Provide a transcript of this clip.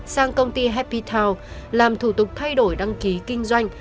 sang công ty happy town làm thủ tục thay đổi đăng ký kinh doanh